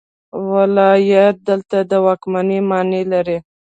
ولایت دلته د واکمنۍ معنی لري.